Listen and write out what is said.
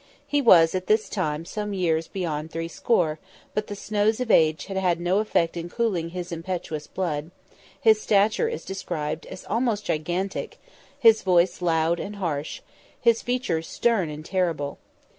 He was at this time some years beyond three score, but the snows of age had no effect in cooling his impetuous blood; his stature is described as almost gigantic; his voice loud and harsh; his features stern and terrible.